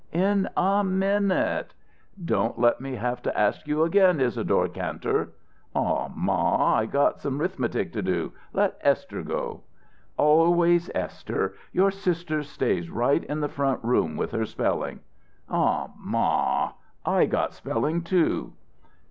"In a minute." "Don't let me have to ask you again, Isadore Kantor!" "Aw, ma; I got some 'rithmetic to do. Let Esther go." "Always Esther! Your sister stays right in the front room with her spelling." "Aw, ma; I got spelling, too."